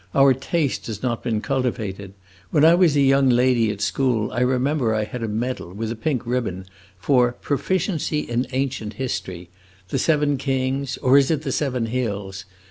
Our taste has not been cultivated. When I was a young lady at school, I remember I had a medal, with a pink ribbon, for 'proficiency in Ancient History' the seven kings, or is it the seven hills?